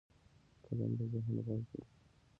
قلم د ذهن غوږ دی